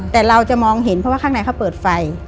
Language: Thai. แต่เราจะมองเห็นเพราะว่าข้างในเขาเปิดไฟ